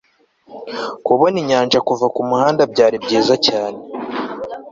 kubona inyanja kuva kumuhanda byari byiza cyane